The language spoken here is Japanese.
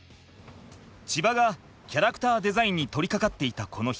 ちばがキャラクターデザインに取りかかっていたこの日。